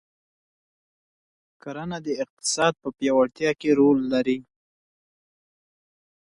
کرنه د اقتصاد په پیاوړتیا کې رول لري.